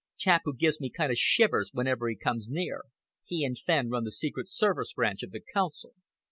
Chap who gives me kind of shivers whenever he comes near. He and Fenn run the secret service branch of the Council."